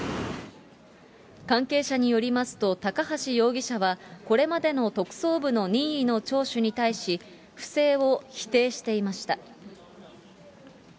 関係者によりますと、高橋容疑者は、これまでの特捜部の任意の聴取に対し、不正を否定していました。